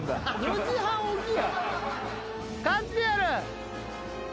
４時半起きや。